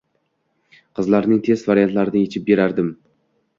qizlarning test variantlarini yechib berardim.